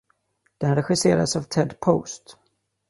Den regisserades av Ted Post.